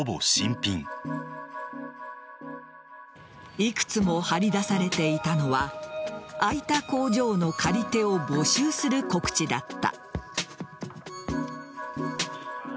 幾つも張り出されていたのは空いた工場の借り手を募集する告知だった。